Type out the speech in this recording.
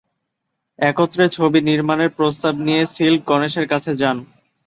একত্রে ছবি নির্মাণের প্রস্তাব নিয়ে সিল্ক গণেশের কাছে যান।